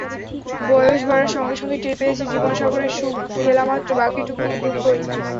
বয়স বাড়ার সঙ্গে সঙ্গে টের পেয়েছি জীবনসাগরে সুখ ভেলামাত্র, বাকিটুকু দুঃখই।